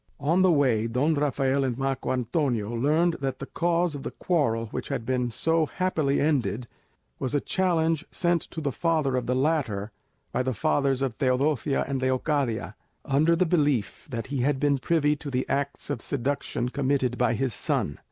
On the way Don Rafael and Marco Antonio learned that the cause of the quarrel which had been so happily ended was a challenge sent to the father of the latter by the fathers of Teodosia and Leocadia, under the belief that he had been privy to the acts of seduction committed by his son.